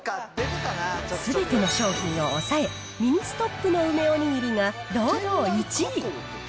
すべての商品を抑え、ミニストップの梅おにぎりが堂々１位。